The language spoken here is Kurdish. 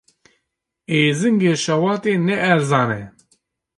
Êzingê şewatê ne erzan e.